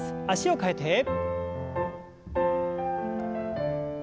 脚を替えて。